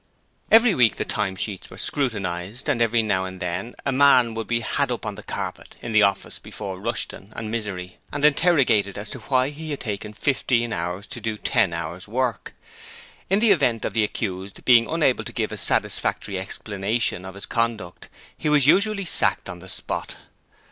Every week the time sheets were scrutinized, and every now and then a man would be 'had up on the carpet' in the office before Rushton and Misery, and interrogated as to why he had taken fifteen hours to do ten hours work? In the event of the accused being unable to give a satisfactory explanation of his conduct he was usually sacked on the spot.